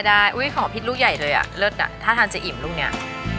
อุ้ยของพิษลูกใหญ่เลยอ่ะเลิศอ่ะถ้าทานจะอิ่มลูกนี้